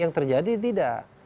yang terjadi tidak